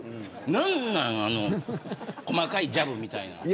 なんなんあの細かいジャブみたいなの。